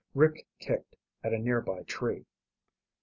Rick kicked at a near by tree.